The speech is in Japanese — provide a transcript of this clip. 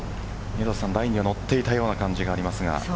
宮里さん、ラインに乗っていたような感じはありましたが。